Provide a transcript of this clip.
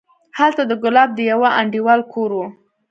هلته د ګلاب د يوه انډيوال کور و.